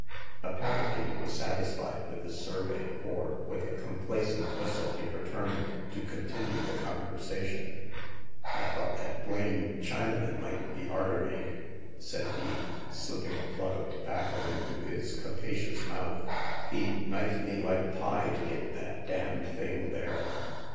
Apparently he was satisfied with this sur vey, for with a complacent whistle he returned to continue the conversation. " I thought that blamed Chinaman might be arter me," said he, slipping a plug of tobacco into his capacious mouth ;" he*d knife me like pie to get that d— d thing there."